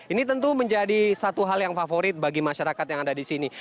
ini tentu menjadi satu hal yang favorit bagi masyarakat yang ada di sini